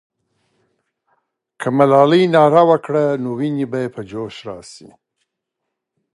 که ملالۍ ناره وکړي، نو ويني به په جوش راسي.